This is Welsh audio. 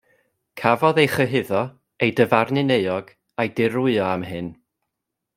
Cafodd ei chyhuddo, ei dyfarnu'n euog a'i dirwyo am hyn.